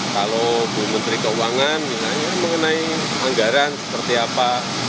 kalau bu menteri keuangan misalnya mengenai anggaran seperti apa